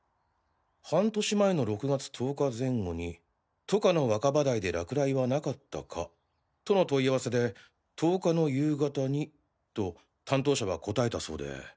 半年前の６月１０日前後に都下の若葉台で落雷はなかったかとの問い合わせで１０日の夕方にと担当者は答えたそうで。